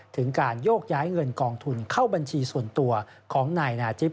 ถึงการโยกย้ายเงินกองทุนเข้าบัญชีส่วนตัวของนายนาจิป